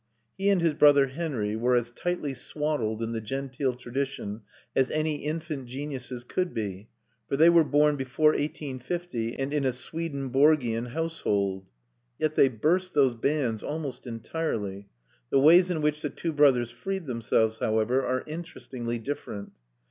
He and his brother Henry were as tightly swaddled in the genteel tradition as any infant geniuses could be, for they were born before 1850, and in a Swedenborgian household. Yet they burst those bands almost entirely. The ways in which the two brothers freed themselves, however, are interestingly different.